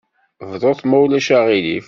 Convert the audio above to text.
Bdut, ma ulac aɣilif.